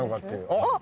あっ！